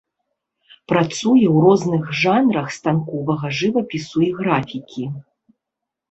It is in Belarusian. Працуе ў розных жанрах станковага жывапісу і графікі.